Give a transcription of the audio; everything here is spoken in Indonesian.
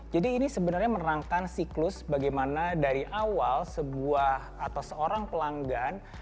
jadi ini sebenarnya merangkang siklus bagaimana dari awal sebuah atau seorang pelanggan